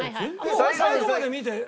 最後まで見て。